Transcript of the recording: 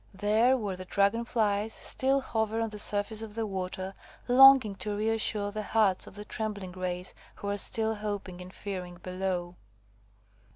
There, where the Dragon flies still hover on the surface of the water, longing to reassure the hearts of the trembling race, who are still hoping and fearing below.